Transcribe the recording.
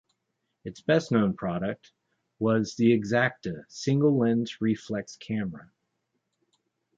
Its best-known product was the Exakta single-lens reflex camera.